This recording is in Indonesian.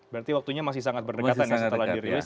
berarti waktunya masih sangat berdekatan ya setelah dirilis